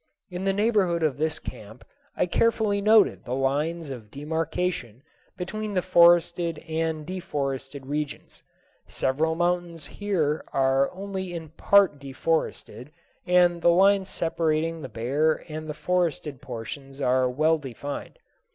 In the neighborhood of this camp I carefully noted the lines of demarkation between the forested and deforested regions. Several mountains here are only in part deforested, and the lines separating the bare and the forested portions are well defined.